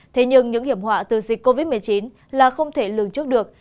thế nhưng những hiểm họa từ dịch covid một mươi chín là không thể lường trước được